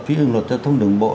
quy định luật cho thông đường bộ